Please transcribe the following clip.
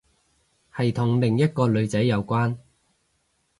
係同另一個女仔有關